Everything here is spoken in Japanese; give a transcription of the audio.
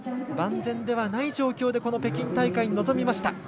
万全ではない状況で北京大会に臨みました。